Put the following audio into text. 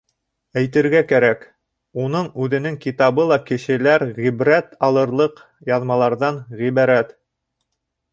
Әйтергә кәрәк, уның үҙенең китабы ла кешеләр ғибрәт алырлыҡ яҙмаларҙан ғибәрәт.